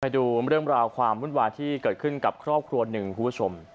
ดูเรื่องราวความวุ่นวายที่เกิดขึ้นกับครอบครัวหนึ่งคุณผู้ชม